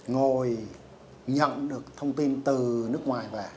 ngồi nhận được thông tin từ nước ngoài về